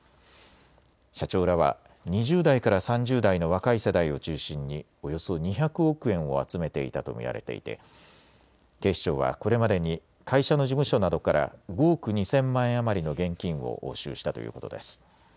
社長らは２０代から３０代の若い世代を中心におよそ２００億円を集めていたと見られていて警視庁はこれまでに会社の事務所などから５億２０００万円余りの現金を押収したということです。